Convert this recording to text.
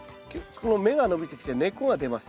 この芽が伸びてきて根っこが出ます。